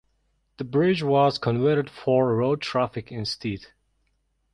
The bridge was converted for road traffic instead.